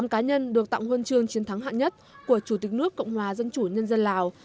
một mươi cá nhân được tặng huân chương chiến thắng hạng nhất của chủ tịch nước cộng hòa dân chủ nhân dân lào